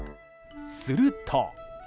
すると。